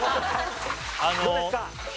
どうですか？